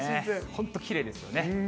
本当、きれいですよね。